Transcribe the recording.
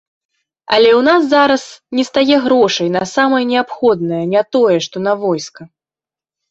Але ў нас зараз нестае грошай на самае неабходнае, не тое, што на войска.